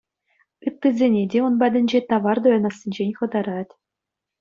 Ыттисене те ун патӗнче тавар туянассинчен хӑтарать.